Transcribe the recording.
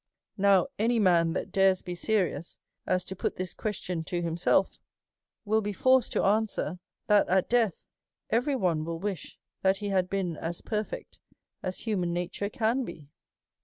Now, any man that dares be serious as to put this question to himself w ill be forced to answer, that at death every one will wish that he had been as perfect' as human nature can be.